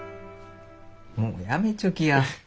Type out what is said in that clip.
もうやめちょきや。